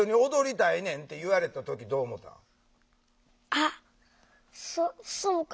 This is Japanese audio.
あっそうか。